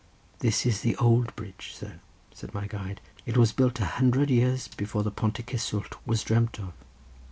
"This is the old bridge, sir," said my guide; "it was built a hundred years before the Pont y Cysswllt was dreamt of."